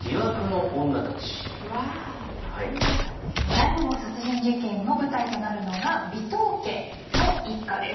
大富豪殺人事件の舞台となるのが尾藤家の一家です。